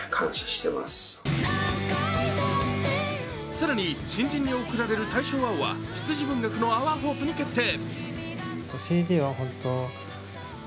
更に、新人に贈られる大賞・青は羊文学の「ｏｕｒｈｏｐｅ」に決定。